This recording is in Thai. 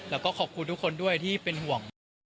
แล้วก็ขอบคุณทุกคนด้วยที่เป็นห่วง